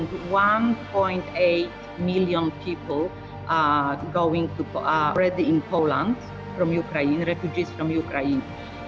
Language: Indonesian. dan satu delapan juta orang sudah berkembang ke polandia warga ukraina